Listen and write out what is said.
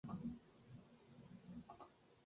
Todas dentro de la categoría de No-Conformistas.